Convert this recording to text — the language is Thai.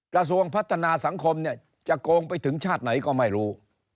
กระทรวงพัฒนาสังคมเนี่ยจะโกงไปถึงชาติไหนก็ไม่รู้